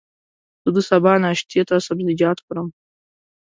زه د سبا ناشتې ته سبزيجات خورم.